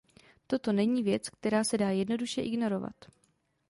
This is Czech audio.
Toto není věc, která se dá jednoduše ignorovat.